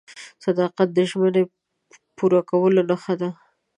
• صداقت د ژمنې پوره کولو نښه ده.